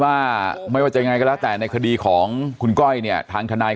ว่าไม่ว่าจะยังไงก็แล้วแต่ในคดีของคุณก้อยเนี่ยทางทนาย